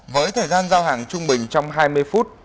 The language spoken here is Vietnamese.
với thời gian giao hàng trung bình trong hai mươi phút